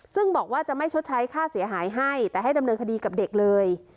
ซึ่งบอกว่าจะไม่ชดใช้ค่าเสียหายให้แต่ให้ดำเนินคดีกับเด็กเลย